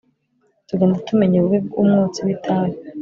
tugenda tumenya ububi bwumwotsi w itabi